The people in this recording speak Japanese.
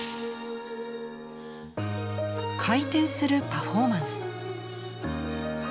回転するパフォーマンス。